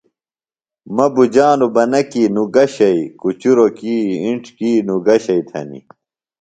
مہ بُجانوۡ بہ نہ کیۡ نوۡ گہ شئیۡ، کُچُروۡ کیۡ، اِنڇ کیۡ، نوۡ گہ شئیۡ تھنیۡ